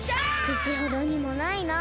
くちほどにもないなあ。